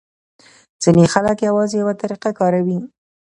ځینې خلک یوازې یوه طریقه کاروي.